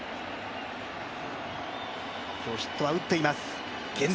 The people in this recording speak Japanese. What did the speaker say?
今日ヒットは打っています源田。